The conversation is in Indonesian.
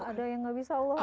ada yang nggak bisa allah apa